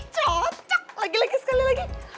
cocok lagi sekali lagi